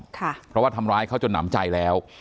เพราะว่าทำร้ายเขาจนหนำใจแล้ว